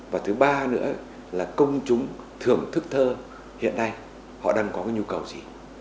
và thứ ba nữa là công chúng thưởng thức thơ hiện nay họ đang có cái nhu cầu gì